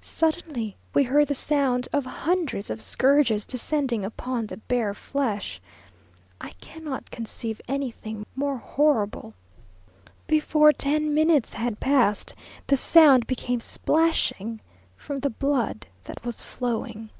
Suddenly, we heard the sound of hundreds of scourges descending upon the bare flesh. I cannot conceive anything more horrible. Before ten minutes had passed, the sound became splashing, from the blood that was flowing.